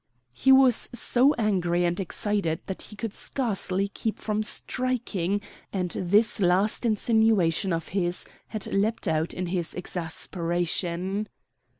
He was so angry and excited that he could scarcely keep from striking, and this last insinuation of his had leapt out in his exasperation.